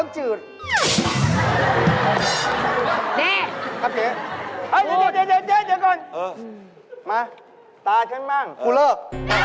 จะเต้นยอด